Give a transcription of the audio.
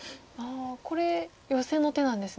これヨセの手なんですね。